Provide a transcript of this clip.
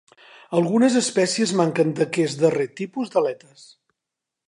Algunes espècies manquen d'aquest darrer tipus d'aletes.